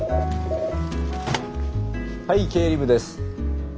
☎☎はい経理部です。